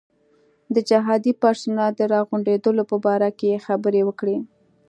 د جهادي پرسونل د راغونډولو په باره کې یې خبرې وکړې.